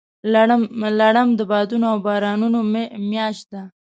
لړم د بادونو او بارانونو میاشت ده.